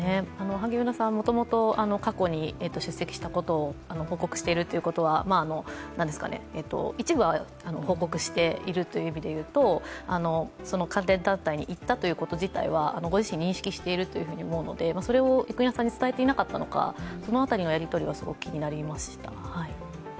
萩生田さんはもともと過去に出席したことを報告しているということは一部は報告しているという意味で言うと関連団体に行ったこと自体はご自身認識していると思うので、それを生稲さんに伝えていなかったのかその辺りのやり取りはすごく気になりました。